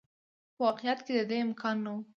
خو په واقعیت کې د دې امکان نه و.